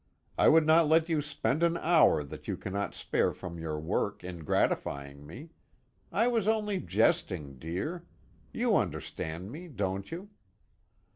I would not let you spend an hour that you cannot spare from your work, in gratifying me. I was only jesting, dear. You understand me, don't you?"